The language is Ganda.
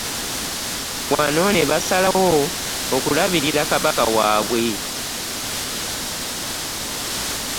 Wano ne basalawo okulabirira Kabaka waabwe